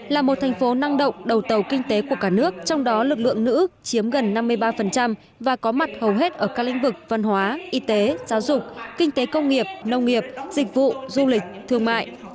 là một thành phố năng động đầu tàu kinh tế của cả nước trong đó lực lượng nữ chiếm gần năm mươi ba và có mặt hầu hết ở các lĩnh vực văn hóa y tế giáo dục kinh tế công nghiệp nông nghiệp dịch vụ du lịch thương mại